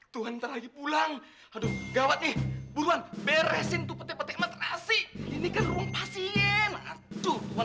tuhan terlalu pulang aduh gawat nih buruan beresin tuh petik petik matrasi ini kerum pasien